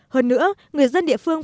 hơn nữa người dân địa phương